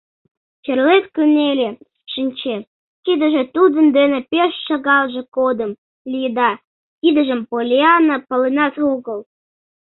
Черлет кынеле, шинче — тидыже тудын дене пеш шагалже годым лиеда, тидыжым Поллианна паленат огыл.